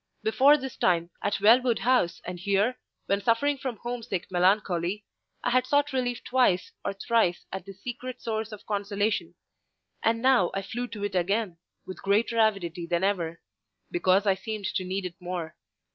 Before this time, at Wellwood House and here, when suffering from home sick melancholy, I had sought relief twice or thrice at this secret source of consolation; and now I flew to it again, with greater avidity than ever, because I seemed to need it more.